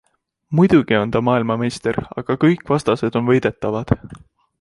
Muidugi on ta maailmameister, aga kõik vastased on võidetavad.